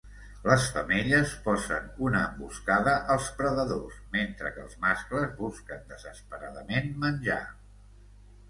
Les femelles posen una emboscada als predadors mentre els mascles busquen desesperadament menjar.